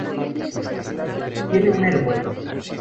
Tiene un aeropuerto.